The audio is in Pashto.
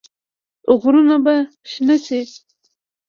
غرونه به شنه شي؟